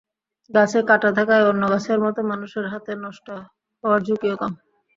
গাছে কাঁটা থাকায় অন্য গাছের মতো মানুষের হাতে নষ্ট হওয়ার ঝুঁকিও কম।